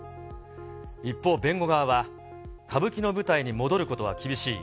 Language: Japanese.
一方、弁護側は歌舞伎の舞台に戻ることは厳しい。